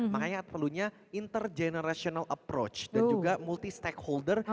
makanya perlunya intergenerational approach dan juga multi stakeholder